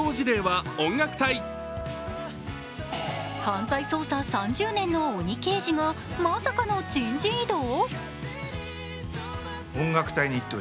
犯罪捜査３０年の鬼刑事がまさかの人事異動。